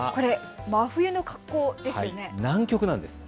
真冬の格好ですね。